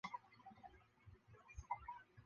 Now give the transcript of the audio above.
领航站设有两座岛式月台及四股轨道。